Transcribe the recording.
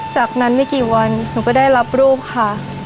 จากนั้นไม่กี่วันหนูก็ได้รับรูปค่ะ